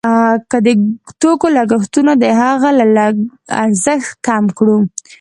که د توکو لګښتونه د هغه له ارزښت کم کړو